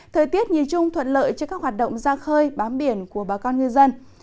thời tiết nhìn chung thuận lợi cho các hoạt động ra khơi bám biển của bà con ngư dân